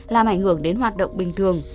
làm ảnh hưởng đến hoạt động bình thường